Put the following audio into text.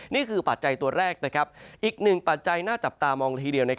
ปัจจัยตัวแรกอีกหนึ่งปัจจัยน่าจับตามองละทีเดียว